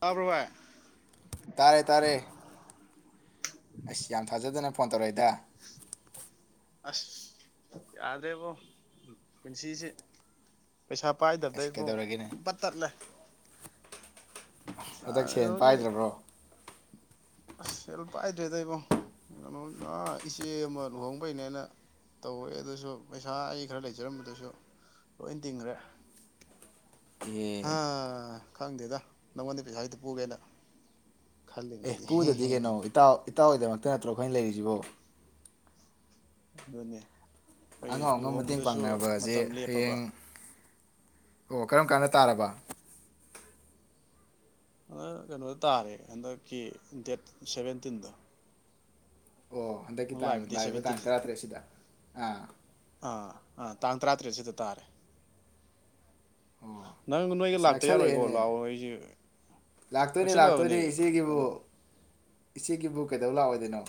ꯇꯥꯕ꯭ꯔ ꯕꯥꯏ ꯇꯥꯔꯦ ꯇꯥꯔꯦ ꯑꯩꯁ ꯌꯥꯝ ꯊꯥꯖꯗꯅ ꯐꯣꯟ ꯇꯧꯔꯛꯏꯗ ꯑꯁ ꯌꯥꯗ꯭ꯔꯦꯕꯣ ꯄꯨꯟꯁꯤꯁꯦ ꯄꯩꯁꯥ ꯄꯥꯏꯗꯕ ꯑꯁ ꯏꯕꯣ ꯀꯩꯗꯧꯔꯒꯦꯅꯦ ꯄꯠ ꯇꯠꯂꯦ ꯍꯟꯗꯛ ꯁꯦꯜ ꯀꯩꯅꯣꯒꯤ ꯄꯥꯏꯗ꯭ꯔꯕ꯭ꯔꯣ ꯑꯁ ꯁꯦꯜ ꯄꯥꯏꯗ꯭ꯔꯦꯗ ꯏꯕꯣ ꯏꯆꯦ ꯑꯃ ꯂꯨꯍꯣꯡꯕꯩꯅꯦꯅ ꯇꯧꯋꯦ ꯑꯗꯨꯁꯨ ꯄꯩꯁꯥ ꯑꯩ ꯈꯔ ꯂꯩꯖꯔꯝꯕꯗꯨꯁꯨ ꯂꯣꯏ ꯇꯤꯡꯈ꯭ꯔꯦ ꯑꯦ ꯍꯥ ꯈꯪꯗꯦꯗ ꯅꯪꯉꯣꯟꯗ ꯄꯩꯁꯥ ꯈꯤꯇ ꯄꯨꯒꯦꯅ ꯈꯜꯂꯤꯅꯦ ꯑꯦ ꯄꯨꯗꯗꯤ ꯀꯩꯅꯣ ꯏꯇꯥꯎ ꯏꯇꯥꯎꯒꯤꯗꯃꯛꯇ ꯅꯠꯇ꯭ꯔꯣ ꯑꯩꯈꯣꯏꯅ ꯂꯩꯔꯤꯁꯤꯕꯣ ꯑꯗꯨꯅꯦ ꯑꯩꯈꯣꯏ ꯑꯉꯥꯝ ꯑꯉꯝ ꯃꯇꯦꯡ ꯂꯨꯍꯣꯡꯕꯗꯁꯨ ꯄꯥꯡꯅꯕ ꯑꯖꯦ ꯃꯇꯝ ꯂꯦꯞꯄꯕ ꯍꯌꯦꯡ ꯑꯣ ꯀꯔꯝ ꯀꯥꯟꯗ ꯇꯥꯔꯕ ꯍꯟꯗ ꯀꯩꯅꯣꯗ ꯇꯥꯔꯦ ꯍꯟꯗꯛꯀꯤ ꯗꯦꯠ ꯁꯚꯦꯟꯇꯤꯟꯗꯣ ꯑꯣ ꯍꯟꯗꯛꯀꯤ ꯇꯥꯡ ꯗꯦꯠ ꯂꯥꯛꯏꯕ ꯇꯥꯡ ꯁꯚꯦꯟꯇꯤꯟꯁꯦ ꯇꯔꯥꯇꯔꯦꯠꯁꯤꯗ ꯑꯥ ꯑꯥ ꯑꯥ ꯇꯥꯡ ꯇꯔꯥꯇꯔꯦꯠꯁꯤꯗ ꯇꯥꯔꯦ ꯑꯣ ꯅꯪꯗꯣ ꯅꯣꯏꯒ ꯑꯁ ꯂꯥꯛꯇ ꯌꯥꯔꯣꯏꯀꯣ ꯅꯛꯁꯜꯂꯛꯑꯦꯅꯦ ꯂꯥꯛꯑꯣ ꯅꯣꯏꯁꯤꯦ ꯂꯥꯛꯇꯣꯏꯅꯦ ꯅꯛꯁꯤꯜꯂꯛꯑꯕꯅꯤ ꯂꯥꯛꯇꯣꯏꯅꯦ ꯏꯆꯦꯒꯤꯕꯨ ꯀꯩꯅꯣ ꯏꯆꯦꯒꯤꯕꯨ ꯀꯩꯗꯧ ꯂꯥꯛꯑꯣꯏꯗꯣꯏꯅꯣ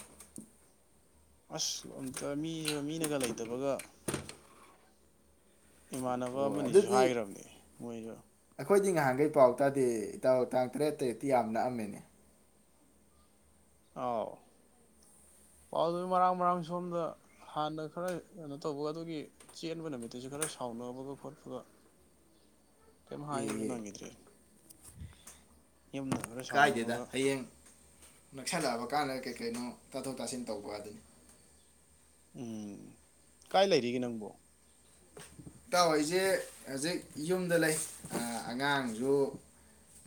ꯑꯁ ꯑꯇ ꯃꯤ ꯁꯤꯕ ꯃꯤꯅꯒ ꯂꯩꯇꯕꯒ ꯏꯃꯥꯟꯅꯕ ꯑꯣ ꯑꯃꯅꯤꯁꯨ ꯑꯗꯨꯗꯤ ꯍꯥꯏꯒꯔꯕꯅꯦ ꯃꯣꯏꯁꯨ ꯑꯩꯈꯣꯏꯗꯤ ꯉꯍꯥꯟꯉꯩ ꯄꯥꯎ ꯇꯥꯗꯦ ꯏꯇꯥꯎ ꯇꯥꯡ ꯇꯔꯦꯠ ꯇꯔꯦꯠꯇꯤ ꯌꯥꯝ ꯅꯛꯑꯝꯃꯦꯅꯦ ꯑꯥꯎ ꯄꯥꯎꯗꯨ ꯃꯔꯥꯡ ꯃꯔꯥꯡ ꯁꯣꯝꯗ ꯍꯥꯟꯅ ꯈꯔ ꯀꯩꯅꯣ ꯇꯧꯕꯒ ꯑꯗꯨꯒꯤ ꯆꯦꯟꯕ ꯅꯨꯃꯤꯠꯇꯨꯁꯨ ꯈꯔ ꯁꯥꯎꯅꯕꯒ ꯈꯣꯠꯄꯒ ꯀꯩꯝ ꯑꯦ ꯍꯥꯏꯕ ꯑꯦ ꯅꯪꯒꯤꯗ꯭ꯔꯦ ꯀꯥꯏꯗꯦꯗ ꯍꯌꯦꯡ ꯅꯛꯁꯜꯂꯛꯑꯕ ꯀꯥꯟꯗ ꯀꯩ ꯀꯩꯅꯣ ꯇꯥꯊꯣꯛ ꯇꯥꯁꯤꯟ ꯇꯧꯕ ꯑꯗꯨꯅꯤ ꯎꯝ ꯀꯥꯏ ꯂꯩꯔꯤꯒꯦ ꯅꯪꯕꯨ ꯏꯇꯥꯎ ꯑꯩꯖꯦ ꯍꯧꯖꯤꯛ ꯌꯨꯝꯗ ꯂꯩ ꯑꯉꯥꯡꯖꯨ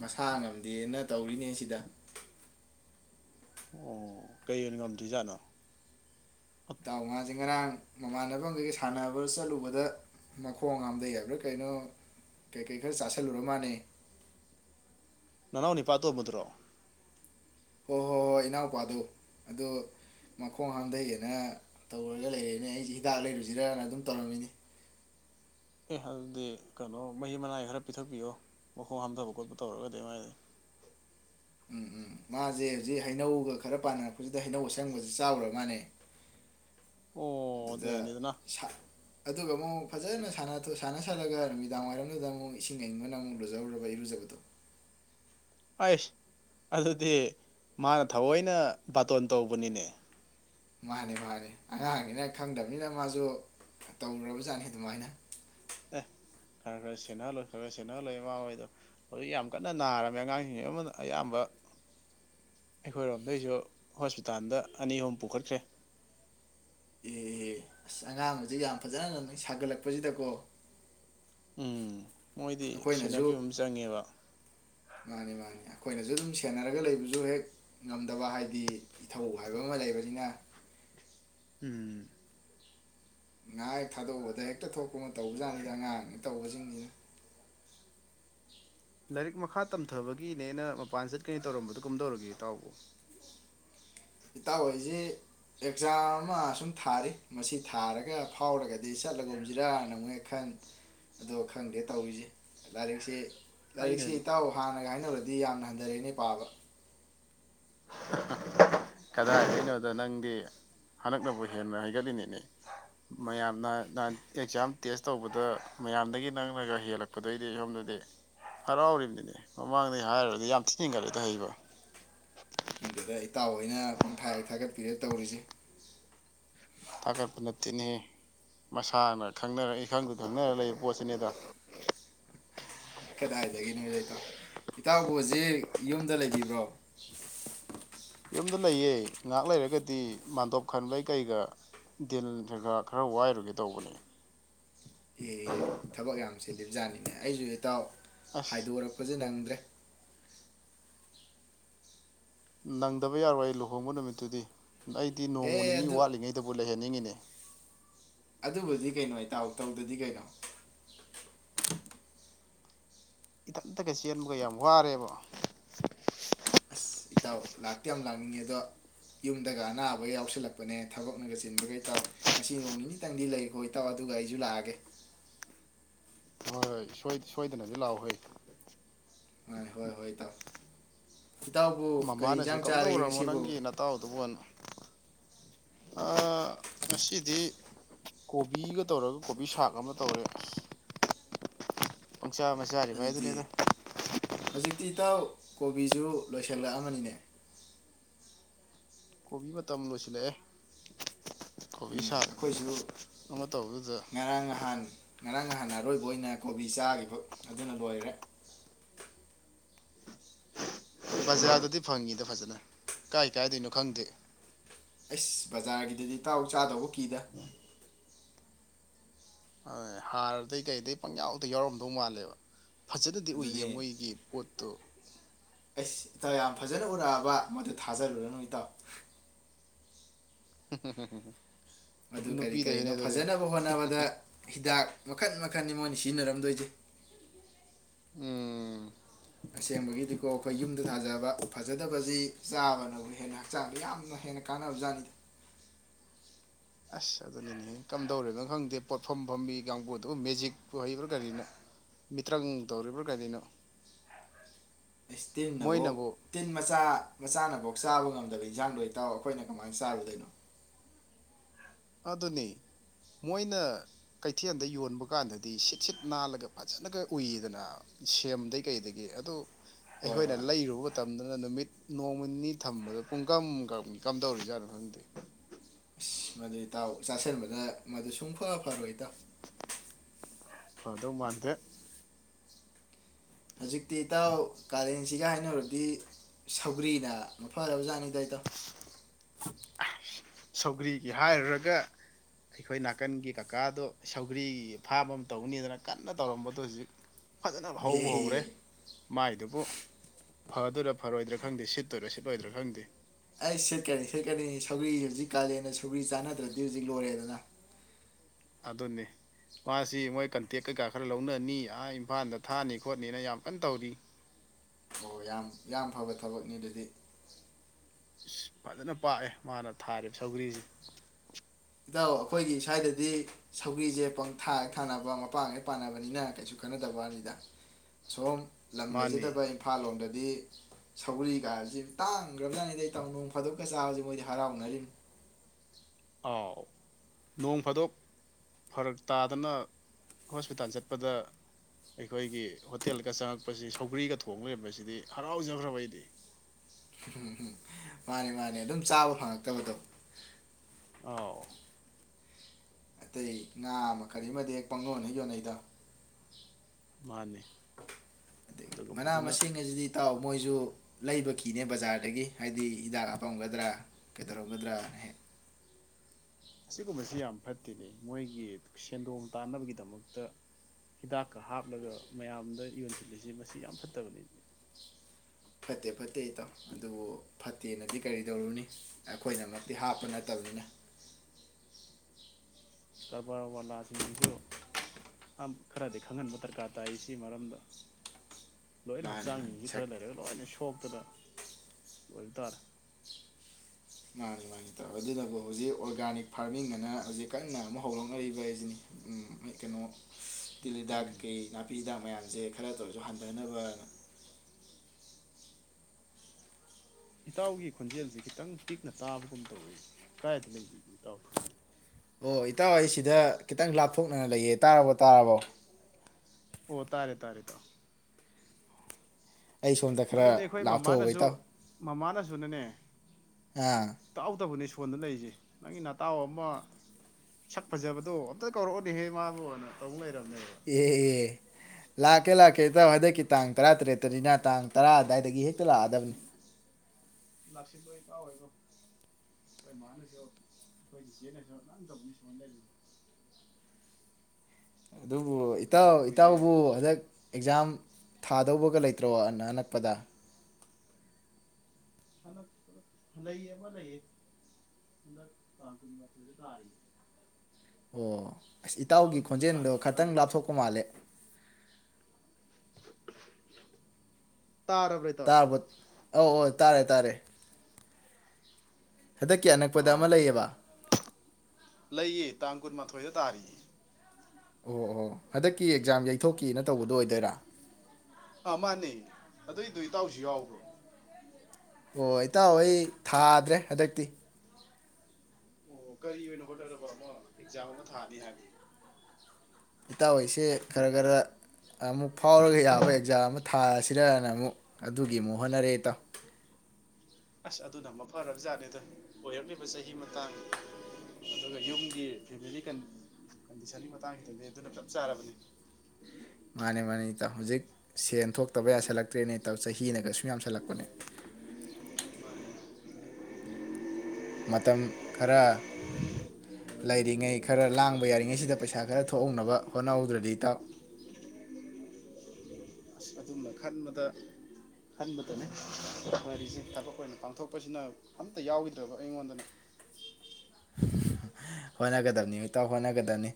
ꯃꯁꯥ ꯉꯝꯗꯦꯅ ꯇꯧꯔꯤꯅꯦ ꯁꯤꯗ ꯑꯣ ꯀꯩ ꯑꯣꯏꯅ ꯉꯝꯗꯔꯤ ꯖꯥꯠꯅꯣ ꯇꯥꯎ ꯉꯥꯁꯦ ꯉꯔꯥꯡ ꯃꯃꯥꯟꯅꯕ ꯉꯩꯒ ꯁꯥꯟꯅꯕ ꯆꯠꯂꯨꯕꯗ ꯃꯈꯣꯡ ꯉꯝꯗꯩ ꯌꯥꯏꯕ꯭ꯔꯥ ꯀꯩꯅꯣ ꯀꯩꯀꯩ ꯈꯔ ꯆꯥꯥꯁꯜꯂꯨꯔ ꯃꯥꯟꯅꯩ ꯅꯅꯥꯎ ꯅꯤꯄꯥ ꯇꯣꯝꯃꯨꯗ꯭ꯔꯣ ꯍꯣ ꯍꯣ ꯍꯣꯏ ꯏꯅꯥꯎꯄꯥꯗꯨ ꯑꯗꯨ ꯃꯈꯣꯡ ꯍꯥꯡꯊꯩꯦꯅ ꯇꯧꯔꯒ ꯂꯩꯔꯦꯅꯦ ꯑꯩꯁ ꯍꯤꯗꯥꯛ ꯂꯩꯔꯨꯁꯤꯔꯅ ꯑꯗꯨꯝ ꯇꯧꯔꯝꯃꯤꯅꯤ ꯑꯦ ꯑꯗꯨꯗꯤ ꯀꯩꯅꯣ ꯃꯍꯤ ꯃꯅꯥꯏ ꯈꯔ ꯄꯤꯊꯛꯄꯤꯌꯣ ꯃꯈꯣꯡ ꯍꯥꯝꯊꯕ ꯈꯣꯠꯄ ꯇꯧꯔꯒꯗꯤ ꯑꯗꯨꯃꯥꯏꯗꯤ ꯎꯝ ꯎꯝ ꯃꯥꯖꯦ ꯍꯧꯖꯤꯛ ꯍꯩꯅꯧꯒ ꯈꯔ ꯄꯥꯟꯅꯔꯛꯄꯁꯤꯗ ꯍꯩꯅꯧ ꯑꯁꯪꯕꯁꯤ ꯆꯥꯎꯔꯕ ꯃꯥꯅꯦ ꯑꯣ ꯑꯗꯨꯗ ꯑꯗꯨꯅꯅꯤꯗꯅꯥ ꯁꯥ ꯑꯗꯨꯒ ꯑꯃꯨꯛ ꯐꯖꯅ ꯁꯥꯟꯅ ꯁꯥꯟꯅꯁꯜꯂꯒ ꯅꯨꯃꯤꯗꯥꯡ ꯋꯥꯏꯔꯝꯗꯨꯗ ꯑꯃꯨꯛ ꯏꯁꯤꯡ ꯑꯏꯪꯕꯅ ꯑꯃꯨꯛ ꯂꯨꯖꯔꯨꯔꯕ ꯏꯔꯨꯖꯕꯗꯣ ꯑꯩꯁ ꯑꯗꯨꯗꯤ ꯃꯥꯅ ꯊꯑꯣꯏꯅ ꯕꯥꯇꯣꯟ ꯇꯧꯕꯅꯤꯅꯦ ꯃꯥꯅꯦ ꯃꯥꯅꯦ ꯑꯉꯥꯡꯅꯤꯅ ꯈꯪꯗꯕꯅꯤꯅ ꯃꯥꯁꯨ ꯇꯧꯔꯨꯔꯕꯖꯥꯠꯅꯤ ꯑꯗꯨꯃꯥꯏꯅ ꯑꯦ ꯈꯔ ꯈꯔ ꯁꯦꯟꯅꯍꯜꯂꯣꯏ ꯈꯔ ꯈꯔ ꯁꯦꯟꯅꯍꯜꯂꯣꯏ ꯏꯃꯥ ꯍꯣꯏꯗꯣ ꯍꯧꯖꯤꯛ ꯌꯥꯝ ꯀꯟꯅ ꯅꯥꯔꯝꯃꯦ ꯑꯉꯥꯡꯁꯤꯡꯁ ꯑꯃꯅ ꯑꯌꯥꯝꯕ ꯑꯩꯈꯣꯏꯔꯣꯝꯗꯩꯁꯨ ꯍꯣꯁꯄꯤꯇꯥꯜꯗ ꯑꯅꯤ ꯑꯍꯨꯝ ꯄꯨꯈꯠꯈ꯭ꯔꯦ ꯑꯦ ꯑꯉꯥꯡꯕꯁꯤ ꯌꯥꯝ ꯐꯖꯅ ꯁꯥꯒꯠꯂꯛꯄꯁꯤꯗꯀꯣ ꯎꯝ ꯃꯣꯏꯗꯤ ꯑꯩꯈꯣꯏꯅꯁꯨ ꯁꯦꯟꯅꯕꯤꯕ ꯑꯃ ꯆꯪꯉꯦꯕ ꯃꯥꯅꯤ ꯃꯥꯅꯤ ꯑꯩꯈꯣꯏꯅꯁꯨ ꯑꯗꯨꯝ ꯁꯦꯟꯅꯔꯒ ꯂꯩꯕꯁꯨ ꯍꯦꯛ ꯉꯝꯗꯕ ꯍꯥꯏꯗꯤ ꯏꯊꯧ ꯍꯥꯏꯕ ꯑꯃ ꯂꯩꯕꯅꯤꯅ ꯎꯝ ꯉꯥꯛ ꯊꯥꯗꯣꯛꯎꯕꯗꯕꯗ ꯍꯦꯛꯇ ꯊꯣꯛ ꯇꯧꯕꯖꯥꯠꯅꯤꯗ ꯑꯉꯥꯡ ꯇꯧꯕꯁꯤꯡꯁꯤꯅ [inaudible] ꯂꯥꯏꯔꯤꯛ ꯃꯈꯥ ꯇꯝꯊꯕꯒꯤꯅꯦꯅ ꯃꯄꯥꯟ ꯆꯠꯀꯅꯤ ꯇꯧꯔꯝꯕꯗꯣ ꯀꯝꯗꯧꯔꯒꯦ ꯇꯥꯎꯕꯣ꯫ ꯏꯇꯥꯎ ꯑꯩꯁꯦ ꯑꯦꯛꯖꯥꯝ ꯑꯃ ꯁꯨꯝ ꯊꯥꯔꯤ ꯃꯁꯤ ꯊꯥꯔꯒ ꯐꯥꯎꯔꯒꯗꯤ ꯆꯠꯂꯒꯨꯝꯖꯤꯔꯥꯅ ꯑꯃꯨꯛꯍꯦꯛ ꯈꯟ ꯑꯗꯣ ꯈꯪꯗꯦ ꯇꯧꯔꯤꯁꯦ ꯂꯥꯏꯔꯤꯛꯁꯦ ꯂꯥꯏꯔꯤꯛꯁꯤ ꯑꯩꯅꯗꯤ ꯏꯇꯥꯎ ꯍꯥꯟꯅꯒ ꯍꯥꯏꯅꯔꯨꯔ [unintelligible] ꯌꯥꯝꯅ ꯍꯟꯊꯔꯦꯅꯦ ꯄꯥꯕ꯫ [unintelligible] ꯀꯗꯥꯏꯗꯩꯅꯣꯗ ꯅꯪꯗꯤ ꯍꯟꯗꯛꯅꯕꯨ ꯍꯦꯟꯅ ꯍꯩꯒꯠꯂꯤꯅꯤꯅꯦ ꯃꯌꯥꯝꯅ ꯅꯍꯥꯟ ꯑꯦꯛꯖꯥꯝ ꯇꯦꯁ ꯇꯧꯕꯗ ꯃꯌꯥꯝꯗꯒꯤ ꯅꯪꯅꯒ ꯍꯦꯜꯂꯛꯄꯗꯨ ꯑꯩꯗꯤ ꯁꯣꯝꯗꯗꯤ ꯍꯔꯥꯎꯔꯤꯕꯅꯤꯅꯦ ꯃꯃꯥꯡꯗꯩ ꯍꯥꯏꯔꯗꯤ ꯌꯥꯝ ꯊꯤ ꯍꯦꯟꯒꯠꯂꯦꯗ ꯍꯩꯕ꯫ ꯈꯪꯗꯦꯗ ꯏꯇꯥꯎ ꯍꯣꯏꯅ ꯄꯪꯊꯥꯍꯦꯛ ꯊꯥꯒꯠꯄꯤꯔꯦ ꯇꯧꯔꯤꯖꯦ꯫ ꯊꯥꯒꯠꯄ ꯅꯠꯇꯦꯅꯦ ꯃꯁꯥꯅ ꯈꯪꯅꯔ ꯏꯈꯪꯗ ꯈꯪꯅꯔ ꯂꯩꯕ ꯄꯣꯠꯁꯤꯅꯦꯗ꯫ ꯀꯗꯥꯏꯗꯒꯤꯅꯣꯗ ꯏꯇꯥꯎ ꯏꯇꯥꯎꯕꯨ ꯍꯧꯖꯤꯛ ꯌꯨꯝꯗ ꯂꯩꯕꯤꯕ꯭ꯔꯣ꯫ ꯉꯍꯥꯛ ꯂꯩꯔꯒꯗꯤ ꯃꯥꯟꯗꯣꯞ ꯈꯟꯕꯩ ꯀꯩꯒ ꯗꯤꯟ ꯈꯔ ꯈ ꯈꯔ ꯋꯥꯏꯔꯨꯒꯦ ꯇꯧꯕꯅꯦ꯫ ꯑꯦ ꯊꯕꯛ ꯌꯥꯝ ꯆꯤꯜ ꯖꯥꯠꯅꯤꯅꯦ ꯑꯩꯁꯨ ꯏꯇꯥꯎ꯫ ꯑꯁ ꯍꯥꯏꯗꯣꯔꯛꯄꯁꯦ ꯅꯪꯗ꯭ꯔ ꯑꯍ ꯅꯪꯗꯕ ꯌꯥꯔꯣꯏ ꯂꯨꯍꯣꯡꯕ ꯅꯨꯃꯤꯠꯇꯨꯗꯤ꯫ ꯑꯩꯗꯤ ꯅꯣꯡꯃ ꯑꯦ ꯅꯤꯅꯤ ꯑꯗꯨ ꯋꯥꯠꯂꯤꯉꯩꯗꯕꯨ ꯂꯩꯍꯟꯅꯤꯡꯉꯤꯅꯦ꯫ ꯑꯗꯨꯕꯨꯗꯤ ꯀꯩꯅꯣ ꯏꯇꯥꯎ ꯇꯧꯗꯗꯤ ꯀꯩꯅꯣ꯫ ꯏꯊꯟꯇꯒ ꯆꯦꯟꯕꯒ ꯌꯥꯝ ꯋꯥꯔꯦꯕ꯫ ꯑꯁ ꯏꯇꯥꯎ ꯂꯥꯛꯇꯤ ꯌꯥꯝ ꯂꯥꯛꯅꯤꯡꯉꯦ ꯌꯨꯝꯗꯒ ꯑꯅꯥꯕ ꯌꯥꯎꯁꯤꯜꯂꯛꯄꯅꯦ ꯊꯕꯛꯅꯒ ꯆꯤꯟꯕꯒ ꯏꯇꯥꯎ ꯉꯁꯤ ꯅꯣꯡ ꯅꯤꯅꯤꯇꯪꯗꯤ ꯂꯩꯈꯣ ꯏꯇꯥꯎ ꯑꯗꯨꯒ ꯑꯩꯁꯨ ꯂꯥꯛꯑꯒꯦ꯫ ꯍꯣꯏ ꯍꯣꯏ ꯁꯣꯏ-ꯁꯣꯏꯗꯅꯗꯤ ꯂꯥꯛꯑꯣ ꯍꯦ꯫ [unintelligible] ꯍꯣꯏ ꯍꯣꯏ ꯏꯇꯥꯎ ꯏꯇꯥꯎꯕꯨ ꯀꯔꯤ ꯃꯃꯥꯅꯁꯨ ꯏꯟꯁꯥꯡ ꯆꯥꯔꯒꯦ ꯀꯝꯗꯧꯔꯝꯃꯣ ꯉꯁꯤꯕꯨ꯫ ꯑ-ꯉꯁꯤꯗꯤ ꯀꯣꯕꯤꯒ ꯇꯧꯔꯒ ꯀꯣꯕꯤ ꯁꯥꯛ ꯑꯃ ꯇꯧꯔꯦ꯫ ꯄꯡꯆꯥ ꯃꯆꯥꯥꯔꯤꯕ ꯍꯥꯏꯗꯨꯅꯦꯗ꯫ ꯍꯨꯖꯤꯛꯇꯤ ꯏꯇꯥꯎ ꯀꯣꯕꯤꯁꯨ ꯂꯣꯏꯁꯤꯜꯂꯛ ꯑꯝꯃꯅꯤꯅꯦ꯫ ꯀꯣꯕꯤ ꯃꯇꯝ ꯂꯣꯏꯁꯤꯜꯂꯛꯑꯦ꯫ ꯀꯣꯕꯤ ꯎꯝ ꯁꯥꯛ ꯑꯈꯣꯏꯁꯨ ꯑꯃ ꯇꯧꯕꯗꯨꯗ ꯉꯔꯥꯡ ꯅꯍꯥꯟ ꯉꯔꯥꯡ ꯅꯍꯥꯟ ꯅ ꯑꯔꯣꯏꯕ ꯑꯣꯏꯅ ꯀꯣꯕꯤ ꯆꯥꯈꯤꯕ ꯑꯗꯨꯅ ꯂꯣꯏꯔꯦ꯫ ꯕꯖꯥꯔꯗꯗꯤ ꯐꯪꯉꯤꯗ ꯐꯖꯅ ꯀꯥꯏ ꯀꯥꯏꯗꯩꯅꯣ ꯈꯪꯗꯦ꯫ ꯑꯩꯁ ꯕꯖꯥꯔꯒꯤꯗꯨꯗꯤ ꯏꯇꯥꯎ ꯆꯥꯗꯧꯕ ꯀꯤꯗ꯫ [unintelligible] ꯍꯥꯔꯗꯩ ꯀꯩꯗꯩ ꯄꯪꯌꯥꯎꯗ ꯌꯥꯎꯔꯝꯗꯧ ꯃꯥꯜꯂꯦꯕ꯫ ꯐꯖꯅꯗꯤ ꯎꯏꯌꯦ ꯑꯗꯨꯅꯦ ꯃꯣꯏꯒꯤ ꯄꯣꯠꯇꯣ꯫ ꯑꯩꯁ ꯏꯇꯥꯎ ꯌꯥꯝ ꯐꯖꯅ ꯎꯔꯛꯑꯕ ꯃꯗꯨ ꯊꯥꯖꯔꯨꯔꯅꯨ ꯏꯇꯥꯎ꯫ [unintelligible] ꯑꯗꯨ ꯀꯔꯤ ꯅꯨꯄꯤꯗꯁꯨꯅꯦ ꯀꯔꯤꯅꯣ ꯑꯗꯨꯗꯤ ꯐꯖꯅꯕ ꯍꯣꯠꯅꯕꯗ ꯍꯤꯗꯥꯛ ꯃꯈꯟ ꯃꯈꯟꯅꯤ ꯁꯤꯖꯤꯟꯅꯔꯝꯗꯣꯏꯁꯦ꯫ ꯎꯝ꯫ ꯑꯁꯦꯡꯕꯒꯤꯗꯤꯀꯣ ꯑꯩꯈꯣꯏ ꯌꯨꯝꯗ ꯊꯥꯖꯕ ꯐꯖꯗꯕꯁꯤ ꯆꯥꯕꯅꯕꯨ ꯍꯦꯟꯅ ꯍꯛꯆꯥꯡꯗ ꯌꯥꯝꯅ ꯍꯦꯟꯅ ꯀꯥꯅꯕꯖꯥꯠꯅꯤꯗ꯫ ꯑꯁ ꯑꯗꯨꯅꯤꯅꯦ ꯀꯝꯗꯧꯔꯤꯅꯣ ꯈꯪꯗꯦ ꯄꯣꯠꯐꯝ ꯐꯝꯕꯤ ꯀꯥꯡꯕꯨꯗꯨꯕꯨ ꯃꯦꯖꯤꯛꯄꯨ ꯍꯩꯕ꯭ꯔꯥ ꯀꯔꯤꯅꯣ ꯃꯤꯇ꯭ꯔꯪ ꯇꯧꯔꯤꯕ꯭ꯔꯥ ꯀꯔꯤꯅꯣ꯫ ꯑꯩꯁ ꯇꯤꯟꯅꯐꯧ ꯃꯣꯏꯅꯕꯨ ꯇꯤꯟ ꯃꯆꯥ ꯃꯆꯥꯅꯐꯧ ꯆꯥꯕ ꯉꯝꯗꯕ ꯏꯟꯁꯥꯡꯗꯣ ꯏꯇꯥꯎ ꯑꯩꯈꯣꯏꯅ ꯀꯃꯥꯏꯅ ꯆꯥꯔꯨꯗꯣꯏꯅꯣ꯫ ꯑꯗꯨꯅꯤ ꯃꯣꯏꯅ ꯀꯩꯊꯦꯜꯗ ꯌꯣꯟꯕ ꯀꯥꯟꯗꯗꯤ ꯁꯤꯠ ꯁꯤꯠ ꯅꯥꯜꯂꯒ ꯐꯖꯅꯒ ꯎꯏꯗꯅ ꯁꯦꯝꯗ ꯀꯩꯗꯒꯤ ꯑꯗꯨ ꯍꯣꯏ ꯑꯩꯈꯣꯏꯅ ꯍꯣꯏ ꯂꯩꯔꯨꯕ ꯃꯇꯝ ꯝꯗꯅ ꯅꯨꯃꯤꯠ ꯅꯣꯡꯃꯅꯤꯅꯤ ꯊꯝꯕꯗꯣ ꯄꯨꯡ ꯀꯔꯝꯛ ꯀꯔꯝꯗꯧꯔꯤꯖꯥꯠꯅꯣ ꯈꯪꯗꯦ꯫ ꯇꯥꯎ ꯆꯥꯁꯤꯟꯕꯗ ꯃꯗꯨ ꯁꯨꯡꯐ ꯐꯔꯣꯏꯗ꯫ [unintelligible] ꯐꯗꯧ ꯃꯥꯟꯗꯦ ꯍꯧꯖꯤꯛꯇꯤ ꯏꯇꯥꯎ ꯀꯥꯂꯦꯟꯁꯤꯒ ꯍꯥꯏꯅꯔꯗꯤ ꯁꯧꯒ꯭ꯔꯤꯅ ꯃꯐꯔꯕ ꯖꯥꯠꯅꯤꯗ ꯏꯇꯥꯎ ꯁꯧꯒ꯭ꯔꯤꯒꯤ ꯍꯥꯏꯔꯨꯔꯒ ꯑꯩꯈꯣꯏ ꯅꯥꯀꯟꯒꯤ ꯀꯀꯥꯗꯣ ꯁꯧꯒ꯭ꯔꯤꯒꯤ ꯐꯥꯝ ꯑꯃ ꯇꯧꯅꯤꯗꯅ ꯀꯟꯅ ꯇꯧꯔꯝꯕꯗꯣ ꯍꯧꯖꯤꯛ ꯐꯖꯅ ꯌꯦ ꯍꯧꯕ ꯍꯧꯔꯦ ꯌꯦ ꯃꯥꯏꯗꯨꯕꯨ ꯐꯗꯨꯔꯥ ꯐꯔꯣꯏꯗ꯭ꯔꯥ ꯈꯪꯗꯦ ꯁꯤꯠꯇꯣꯏꯔꯥ ꯁꯤꯠꯂꯣꯏꯗ꯭ꯔꯥ ꯈꯪꯗꯦ ꯑꯩꯁ ꯁꯤꯠꯀꯅꯤ-ꯁꯤꯠꯀꯅꯤ ꯁꯧꯒ꯭ꯔꯤ ꯍꯧꯖꯤꯛ ꯀꯥꯂꯦꯅ ꯁꯧꯒꯔꯤ ꯆꯥꯟꯅꯗ꯭ꯔꯗꯤ ꯍꯧꯖꯤꯛ ꯂꯣꯏꯔꯦꯗꯅ ꯑꯗꯨꯅꯦ ꯃꯥꯁꯤ ꯃꯣꯏ ꯀꯟꯇꯦꯛ ꯀꯩꯀꯥ ꯈꯔ ꯂꯧꯅꯅꯤ ꯑ ꯏꯝꯐꯥꯜꯗ ꯊꯥꯅꯤ ꯈꯣꯠꯅꯤꯅ ꯌꯥꯝ ꯀꯟꯅ ꯇꯧꯔꯤ ꯑꯣ ꯌꯥꯝ ꯌꯥꯝ ꯐꯕ ꯊꯕꯛꯅꯤ ꯑꯗꯨꯗꯤ ꯁ ꯐꯖꯅ ꯄꯥꯛꯑꯦ ꯃꯥꯅ ꯊꯥꯔꯤꯕ ꯁꯧꯒꯔꯤꯁꯤ ꯏꯇꯥꯎ ꯑꯩꯈꯣꯏꯒꯤ ꯁ꯭ꯋꯥꯏꯗꯗꯤ ꯁꯧꯒꯔꯤꯁꯦ ꯄꯪꯊꯥꯒ ꯊꯥꯅꯕ ꯃꯄꯥꯡꯒ ꯄꯥꯟꯅꯕꯅꯤꯅ ꯀꯩꯁꯨ ꯈꯟꯅꯗꯕꯅꯤꯗ ꯁꯣꯝ ꯂꯝ ꯃꯥꯅꯤ ꯂꯩꯖꯗꯕ ꯏꯝꯐꯥꯜ ꯂꯣꯝꯗ ꯑꯗꯤ ꯁꯧꯒ꯭ꯔꯤ ꯀꯥꯏꯁꯤ ꯇꯥꯡꯈ꯭ꯔꯕꯖꯥꯠꯅꯤꯗ ꯏꯇꯥꯎ ꯅꫭꯡ ꯐꯥꯗꯣꯛꯀ ꯆꯥꯕꯁꯤ ꯃꯣꯏꯗꯤ ꯍꯔꯥꯎꯅꯔꯤꯝꯅꯤ ꯑꯥꯎ ꯅꯣꯡ ꯐꯥꯗꯣꯛ ꯐꯔꯛ ꯇꯥꯗꯅ ꯍꯣꯁꯄꯤꯇꯥꯜ ꯆꯠꯄꯗ ꯑꯩꯈꯣꯏꯒꯤ ꯍꯣꯇꯦꯜꯒ ꯆꯪꯉꯛꯄꯁꯤ ꯁꯧꯒ꯭ꯔꯤꯒ ꯊꯣꯡꯕ ꯂꯩꯔꯝꯕꯁꯤꯗꯤ ꯍꯔꯥꯎꯖꯈ꯭ꯔꯕ ꯑꯩꯗꯤ ꯎꯝꯝ ꯃꯥꯅꯦ ꯃꯥꯅꯦ ꯑꯗꯨꯝ ꯆꯥꯕ ꯐꯪꯉꯛꯇꯕꯗꯣ ꯑꯥꯎ ꯑꯇꯩ ꯉꯥ ꯑꯃ ꯀꯔꯤ ꯑꯃꯗꯤ ꯍꯦꯛ ꯄꯥꯡꯌꫭꯟꯗ ꯌꯣꯟꯅꯩꯗ ꯏꯇꯥꯎ ꯃꯥꯅꯤ ꯑꯗꯩ ꯃꯅꯥ ꯑꯗꯨꯒꯨꯝꯕꯗꯨꯅ ꯃꯁꯤꯡ ꯑꯁꯤꯗꯤ ꯏꯇꯥꯎ ꯃꯣꯏꯁꯨ ꯂꯩꯕ ꯀꯤꯅꯦ ꯕꯖꯥꯔꯗꯒꯤ ꯍꯥꯏꯗꯤ ꯍꯤꯗꯥꯛ ꯍꯥꯞꯑꯝꯒꯗ꯭ꯔꯥ ꯀꯩꯗꯧꯔꯝꯒꯗ꯭ꯔꯥ ꯍꯦꯛ ꯑꯁꯤꯒꯨꯝꯕꯁꯤ ꯌꯥꯝ ꯐꯠꯇꯦꯅꯦ ꯃꯣꯏꯒꯤ ꯁꯦꯟꯗꯣꯡ ꯇꯥꯟꯅꯕꯒꯤꯗꯃꯛꯇ ꯍꯤꯗꯥꯛꯀ ꯍꯥꯞꯂꯒ ꯃꯌꯥꯝꯗ ꯌꯣꯟꯁꯤꯜꯂꯤꯁ ꯃꯁꯤ ꯌꯥꯝ ꯐꯠꯇꯕꯅꯤ ꯐꯠꯇꯦ-ꯐꯠꯇꯦ ꯏꯇꯥꯎ ꯑꯗꯨꯕꯨ ꯐꯠꯇꯦꯅꯗꯤ ꯀꯔꯤ ꯇꯧꯔꯨꯅꯤ ꯑꯩꯈꯣꯏꯅꯃꯛꯇꯤ ꯍꯥꯞꯄ ꯅꯠꯇꯕꯅꯤꯅ ꯀꯔꯕꯥꯔ ꯋꯥꯂꯥꯁꯤꯡꯁꯤꯁꯨ ꯑꯝ ꯈꯔꯗꯤ ꯈꯪꯍꯟꯕ ꯗꯔꯀꯥꯔ ꯇꯥꯏ ꯁꯤꯒꯤ ꯃꯔꯝꯗ ꯂꯣꯏꯅ ꯃꯥꯅꯤ ꯃꯥꯅꯤ ꯍꯛꯆꯥꯡꯁꯤꯡꯁꯤ ꯁꯛ ꯈꯔ ꯂꯩꯔꯒ ꯂꯣꯏꯅ ꯁꯣꯛꯇꯅ ꯑꯣꯏꯕꯇꯥꯔꯦ ꯃꯥꯅꯤ ꯃꯥꯅꯤ ꯏꯇꯥꯎ ꯑꯗꯨꯅꯕꯨ ꯍꯧꯖꯤꯛ ꯑꯣꯔꯒꯥꯅꯤꯛ ꯐꯥꯔꯃꯤꯡ ꯑꯅ ꯍꯧꯖꯤꯛ ꯀꯟꯅ ꯑꯃꯨꯛ ꯍꯧꯔꯛꯅꯔꯤꯕ ꯍꯥꯏꯁꯤꯅꯤ ꯎꯝ ꯀꯩꯅꯣ ꯇꯤꯜ ꯍꯤꯗꯥꯛ ꯀꯩ ꯎꯝ ꯀꯩ ꯅꯥꯄꯤ ꯍꯤꯗꯥꯛ ꯃꯌꯥꯝ ꯁꯦ ꯈꯔꯇ ꯑꯣꯏꯔꯁꯨ ꯍꯟꯊꯅꯕꯅ ꯏꯇꯥꯎꯒꯤ ꯈꯣꯟꯖꯦꯜꯁꯤ ꯈꯤꯇꯪ ꯄꯤꯛꯅ ꯇꯥꯕꯒꯨꯝ ꯇꯧꯋꯤ ꯀꯗꯥꯥꯏꯗ ꯂꯩꯕꯤꯒꯦ ꯏꯇꯥꯎꯁꯦ꯫ ꯑꯣ ꯏꯇꯥꯎ ꯑꯩ ꯁꯤꯗ ꯈꯤꯇꯪ ꯂꯥꯞꯊꯣꯛꯅꯅ ꯂꯩꯌꯦ ꯇꯥꯔꯕꯣ ꯇꯥꯔꯕꯣ꯫ ꯑꯣ ꯇꯥꯔꯦ ꯇꯥꯔꯦ ꯏꯇꯥꯎ꯫ ꯑꯩ ꯁꯣꯝꯗ ꯈꯔ ꯑꯗꯨꯅꯦ ꯑꯩꯈꯣꯏ ꯂꯥꯞꯊꯣꯛꯎꯧꯕ ꯏꯇꯥꯎ꯫ ꯃꯃꯥꯅꯁꯨ ꯃꯃꯥꯅꯁꯨꯅꯅꯦ ꯑꯥ ꯇꯥꯎꯗꯕꯅꯤ ꯁꯨ ꯐꯣꯟꯗ ꯂꯩꯔꯤꯁꯦ ꯅꯪꯒꯤ ꯅꯥꯇꯥꯎ ꯑꯃ ꯁꯛ ꯐꯖꯕꯗꯣ ꯑꯝꯇ ꯀꯧꯔꯛꯑꯣꯅꯦꯍꯦ ꯃꯥꯕꯨꯅ ꯇꯧ ꯂꯩꯔꯕꯅꯦ ꯑꯦ ꯑꯦ ꯂꯥꯛꯀꯦ ꯂꯥꯛꯀꯦ ꯇ ꯍꯟꯗꯛꯀꯤ ꯇꯥꯡ ꯇꯔꯥꯇꯔꯦꯠꯇꯅꯤꯅ ꯇꯥꯡ ꯇꯔꯥ ꯑꯗꯨꯋꯥꯏꯗꯒꯤ ꯍꯦꯛꯇ ꯂꯥꯛꯑꯗꯕꯅꯤ ꯂꯥꯛꯁꯤꯜꯂꯣꯏ ꯇꯥꯎꯋꯦꯕꯣ ꯑꯩꯈꯣꯏ ꯏꯃꯅꯁꯨ ꯑꯩꯈꯣꯏ ꯆꯤꯆꯦꯅꯁꯨ ꯅꯪꯗꯕꯅꯤ ꯁꯣꯟ ꯂꯩꯔꯤ ꯑꯗꯨꯕꯨ ꯏꯇꯥꯎ ꯀꯨꯏꯔꯦ ꯏꯇꯥꯎꯕꯨ ꯍꯗꯛ ꯑꯦꯛꯖꯥꯝ ꯊꯥꯗꯧꯕꯒ ꯂꯩꯇ꯭ꯔꯣ ꯑꯅ ꯑꯅꯛꯄꯗ ꯑꯅꯛꯄꯗ ꯂꯩꯌꯦ ꯃ ꯂꯩꯌꯦ ꯍꯟꯗꯛ ꯇꯥꯡ ꯀꯨꯟꯃꯥꯊꯣꯏꯗ ꯇꯥꯌꯦ ꯑꯣ ꯑꯁ ꯏꯇꯥꯎꯒꯤ ꯇꯥꯡ ꯈꯣꯟꯖꯦꯜꯗꯣ ꯀꯌꯥ ꯈꯇꯪ ꯇꯥꯔꯤꯕ ꯂꯥꯞꯊꯣꯛꯄ ꯃꯥꯜꯂꯦ ꯇꯥꯔꯕ꯭ꯔ ꯏꯇꯥꯎ ꯇꯥꯔꯕꯣ ꯑꯧ ꯑꯣ ꯇꯥꯔꯦ ꯇꯥꯔꯦ ꯍꯟꯗꯛꯀꯤ ꯑꯅꯛꯄꯗ ꯑꯃ ꯑꯣ ꯂꯩꯌꯦꯕ ꯂꯩꯌꯦ ꯇꯥꯡ ꯀꯨꯟꯃꯥꯊꯣꯏꯗ ꯇꯥꯔꯤ ꯑꯣ ꯑꯣꯍꯣ ꯍꯟꯗꯛꯀꯤ ꯑꯦꯛꯖꯥꯝ ꯌꯩꯊꯣꯛꯀꯤꯅ ꯇꯧꯕꯗꯣ ꯑꯣꯏꯗꯣꯏꯔꯥ ꯑ ꯃꯥꯥꯟꯅꯦ ꯑꯗꯨꯏꯗꯨ ꯏꯇꯥꯎꯁꯨ ꯌꯥꯎꯕ꯭ꯔꯣ ꯑꯣ ꯏꯇꯥꯎ ꯑꯩ ꯊꯥꯗ꯭ꯔꯦ ꯍꯟꯗꯛꯇꯤ ꯑꯣ ꯀꯔꯤ ꯑꯣꯏꯅ ꯍꯣꯠꯅꯔꯕ ꯑꯃ ꯑꯦꯛꯖꯥꯝ ꯑꯃ ꯊꯥꯅꯤ ꯍꯥꯏꯕꯗꯨ ꯏꯇꯥꯎ ꯑꯩꯁꯦ ꯈꯔ ꯈꯔ ꯑꯃꯨꯛ ꯐꯥꯎꯔꯒ ꯌꯥꯕ ꯑꯦꯛꯖꯥꯝ ꯑꯃ ꯊꯥꯁꯤꯔꯅ ꯑꯃꯨꯛ ꯑꯗꯨꯒꯤ ꯑꯃꯨꯛ ꯍꯣꯠꯅꯔꯦ ꯏꯇꯥꯎ ꯑꯁ ꯑꯗꯨꯅ ꯑꯃ ꯐꯔꯕ ꯖꯥꯠꯅꯦꯗ ꯑꯣꯏꯔꯛꯂꯤꯕ ꯆꯍꯤ ꯃꯇꯥꯡ [inaudible] ꯑꯗꯨꯒ ꯌꯨꯝꯒꯤ ꯐꯦꯃꯤꯂꯤ ꯀꯟꯗꯤꯁꯟꯒꯤ ꯃꯇꯥꯡꯁꯤꯗꯅꯦ ꯑꯗꯨꯅ ꯆꯞ ꯆꯥꯔꯕꯅꯤ ꯃꯥꯅꯦ ꯃꯥꯅꯦ ꯏꯇꯥꯎ ꯍꯧꯖꯤꯛ ꯁꯦꯜ ꯊꯣꯛꯇꯕ ꯌꯥꯁꯜꯂꯛꯇ꯭ꯔꯦꯅꯦ ꯏꯇꯥꯎ ꯆꯍꯤꯅꯒ ꯁꯨꯝ ꯌꯥꯝꯁꯜꯂꯛꯄꯅꯦ ꯃꯇꯝ ꯈꯔ ꯂꯩꯔꯤꯉꯩ ꯈꯔ ꯂꯥꯡꯕ ꯌꯥꯔꯤꯉꯩꯁꯤꯗ ꯄꯩꯁꯥ ꯈꯔ ꯊꯣꯛꯍꯧꯅꯕ ꯍꯣꯠꯅꯍꯧꯗ꯭ꯔꯗꯤ ꯏꯇꯥꯎ ꯁꯨꯝ ꯈꯟꯕꯗ ꯈꯟꯕꯗꯅꯦ ꯋꯥꯔꯤꯔꯤꯁꯦ ꯊꯕꯛ ꯑꯣꯏꯅ ꯄꯥꯡꯊꯣꯛꯄꯁꯤꯅ ꯑꯝꯇ ꯌꯥꯎꯈꯤꯗ꯭ꯔꯕ ꯑꯩꯉꯣꯟꯗꯅ ꯍꯣꯠꯅꯒꯗꯕꯅꯤ ꯏꯇꯥꯎ ꯍꯣꯠꯅꯒꯗꯕꯅꯤ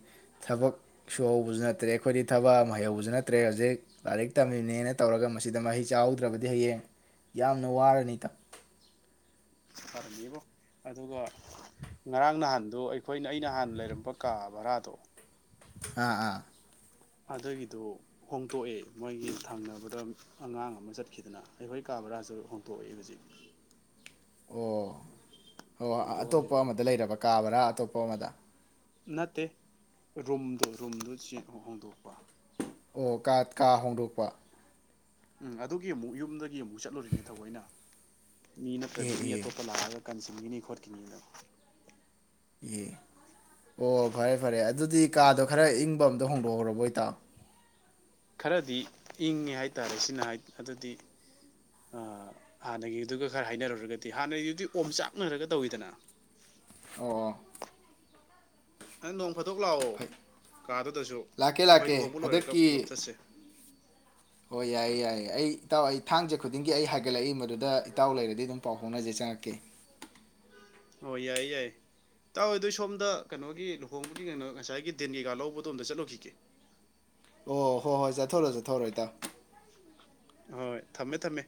ꯊꯕꯛ ꯁꯨꯍꯧꯕꯁꯨ ꯅꯠꯇ꯭ꯔꯦ ꯑꯩꯈꯣꯏꯗꯤ ꯊꯕꯛ ꯑꯃ ꯍꯩꯍꯧꯕꯁꯨ ꯅꯠꯇ꯭ꯔꯦ ꯍꯧꯖꯤꯛ ꯂꯥꯏꯔꯤꯛ ꯇꯝꯃꯤꯕꯅꯦꯅ ꯇꯧꯔꯒ ꯃꯁꯤꯗ ꯃꯍꯩ ꯆꯥꯍꯧꯗ꯭ꯔꯕꯗꯤ ꯍꯌꯦꯡ ꯌꯥꯝꯅ ꯋꯥꯔꯅꯤ ꯏꯇꯥꯎ ꯐꯔꯝꯅꯦꯕꯣ ꯑꯗꯨꯒ ꯉꯔꯥꯡ ꯅꯍꯥꯟꯗꯣ ꯑꯩꯈꯣꯏꯅ ꯑꯩꯅ ꯍꯥꯟꯅ ꯂꯩꯔꯝꯕ ꯀꯥ ꯚꯔꯥꯗꯣ ꯑꯥ ꯑꯥ ꯑꯗꯨꯒꯤꯗꯨ ꯍꯣꯡꯇꯣꯛꯑꯦ ꯃꯣꯏꯒꯤ ꯊꯪꯅꯕꯗ ꯑꯉꯥꯡ ꯑꯃ ꯆꯠꯈꯤꯗꯅ ꯑꯩꯍꯣꯏ ꯀꯥ ꯕ꯭ꯔꯥꯁꯨ ꯍꯣꯡꯇꯣꯛꯑꯦ ꯍꯧꯖꯤꯛ ꯑꯣ ꯍꯣꯏ ꯍꯣꯡꯗꯣꯛꯑ ꯑꯇꯣꯞꯄ ꯂꯩꯔꯕꯅꯤ ꯑꯃꯗ ꯂꯩꯔꯕ ꯀꯥꯕ꯭ꯔꯥ ꯑꯇꯣꯞꯄ ꯑꯃꯗ ꯅꯠꯇꯦ ꯔꯨꯝꯗꯣ ꯔꯨꯝꯗ [unintelligible] ꯆ ꯍꯣꯡꯗꯣꯛꯄ ꯑꯣꯥ ꯀꯥ ꯀꯥ ꯍꯣꯡꯗꯣꯛꯄ ꯎꯝ ꯑꯗꯨꯒꯤ ꯑꯃꯨꯛ ꯌꯨꯝꯗꯒꯤ ꯑꯃꯨꯛ ꯆꯠꯂꯨꯔꯤꯅꯦ ꯊꯑꯣꯏꯅ ꯃꯤ ꯑꯦ ꯅꯠꯇ꯭ꯔꯗꯤ ꯃꯤ ꯑꯦ ꯑꯇꯣꯞꯄ ꯂꯥꯛꯑꯒ ꯀꯟꯁꯤꯟꯈꯤꯅꯤ ꯈꯣꯠꯈꯤꯅꯤꯅ ꯑꯦ ꯑꯣ ꯐꯔꯦ ꯐꯔꯦ ꯑꯗꯨꯗꯤ ꯀꯥꯗꯣ ꯈꯔ ꯏꯪꯕ ꯑꯝꯇ ꯍꯣꯡꯗꯣꯛꯍꯧꯔꯕ ꯏꯇꯥꯥꯎ ꯈꯔꯗꯤ ꯏꯪꯉꯦ ꯍꯥꯏꯇꯥꯔꯦ ꯁꯤꯅ ꯑꯗꯨꯗꯤ ꯑ ꯍꯥꯟꯅꯒꯤꯗꯨꯒ ꯈꯔ ꯍꯥꯏꯅꯔꯨꯔꯒꯗꯤ ꯍꯥꯟꯅꯒꯤꯗꯨꯗꯤ ꯑꯣꯝ ꯆꯥꯛꯅꯔꯒ ꯇꯧꯋꯤꯗꯅ ꯑꯣ ꯑꯣ ꯑꯦ ꯅꯣꯡ ꯐꯥꯗꯣꯛ ꯂꯥꯛꯑꯣ ꯐꯩ ꯀꯥꯗꯨꯗꯁꯨ ꯂꯥꯛꯀꯦ ꯑꯩꯈꯣꯏ ꯂꯥꯛꯀꯦ ꯂꯨꯍꯣꯡꯕ ꯂꯣꯏꯔꯒ ꯍꯟꯗꯛꯀꯤ ꯄꯨꯂꯞ ꯆꯠꯁꯦ ꯍꯣꯏ ꯌꯥꯏꯌꯦ ꯌꯥꯏꯌꯦ ꯑꯩ ꯏꯇꯥꯎ ꯑꯩ ꯊꯥꯡꯖꯦ ꯈꯨꯗꯤꯡꯒꯤ ꯑꯩ ꯍꯥꯏꯒꯠꯂꯛꯏ ꯃꯗꯨꯗ ꯏꯇꯥꯎ ꯂꯩꯔꯗꯤ ꯑꯗꯨꯝ ꯄꯥꯎ ꯐꯥꯎꯅꯖꯩ ꯆꯪꯉꯛꯀꯦ ꯑꯣ ꯌꯥꯏꯌꯦ ꯌꯥꯏꯑꯦ ꯇꯥꯎ ꯑꯗꯨ ꯁꯣꯝꯗ ꯀꯩꯅꯣꯒꯤ ꯂꯨꯍꯣꯡꯕꯒꯤ ꯀꯩꯅꯣ ꯉꯁꯥꯏꯒꯤ ꯗꯤꯟ ꯀꯩꯀꯥ ꯂꯧꯕꯗꯣ ꯑꯝꯇ ꯆꯠꯂꯨꯈꯤꯒꯦ ꯑꯣ ꯍꯣꯏ ꯍꯣꯏ ꯆꯠꯊꯔꯣ ꯆꯠꯊꯣꯔꯣ ꯏꯇꯥꯥꯎ ꯍꯣꯏ ꯊꯝꯃꯦ ꯊꯝꯃꯦ